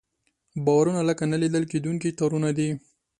باورونه لکه نه لیدل کېدونکي تارونه دي.